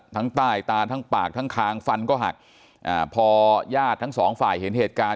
ใต้ตาทั้งปากทั้งคางฟันก็หักอ่าพอญาติทั้งสองฝ่ายเห็นเหตุการณ์